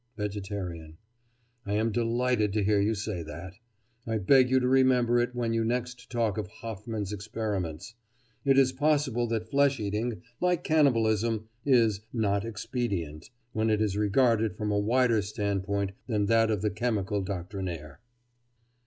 VEGETARIAN: I am delighted to hear you say that. I beg you to remember it when you next talk of "Hofmann's experiments." It is possible that flesh eating, like cannibalism, is "not expedient," when it is regarded from a wider standpoint than that of the chemical doctrinaire.